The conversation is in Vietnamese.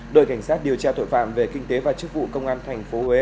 đội cảnh sát điều tra tội phạm về kinh tế và chức vụ công an tp huế